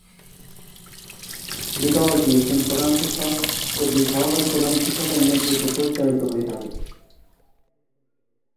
বিদ্যালয়টি একজন প্রধান শিক্ষক/শিক্ষিকা ও দুই সহকারী প্রধান শিক্ষকের/শিক্ষিকার নেতৃত্বে পরিচালিত হয়ে থাকে।